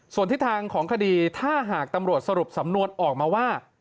ส่วนทิศทางของคดีถ้าหากตำรวจสรุปสำนวนออกมาว่า